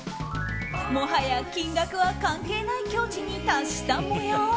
もはや金額は関係ない境地に達した模様。